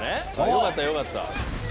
よかったよかった。